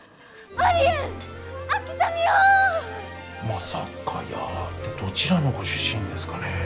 「まさかやー」ってどちらのご出身ですかね。